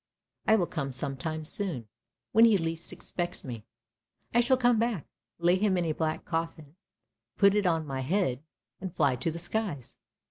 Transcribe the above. I will come some time. When he least expects me, I shall come back, lay him in a black coffin, put it on my head, and fly to the skies.